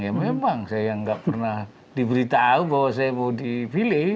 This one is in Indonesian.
ya memang saya nggak pernah diberitahu bahwa saya mau dipilih